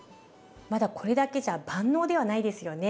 まだこれだけじゃ万能ではないですよね。